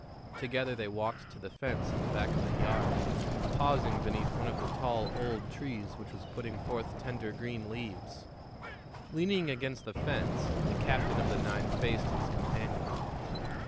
Together they walked to the fence at the back of the yard, pausing beneath one of the tall old trees which was putting forth tender green leaves. Leaning against the fence, the captain of the nine faced his companion.